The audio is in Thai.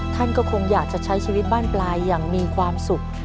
ท่านก็คงอยากจะใช้ชีวิตบ้านปลายอย่างมีความสุข